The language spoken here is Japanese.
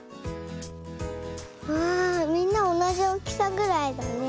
わあみんなおなじおおきさぐらいだね。